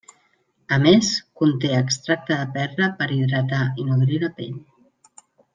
A més, conté extracte de perla per hidratar i nodrir la pell.